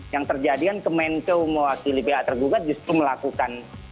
yang terjadikan kementerian mewakili pihak tergugat justru melakukan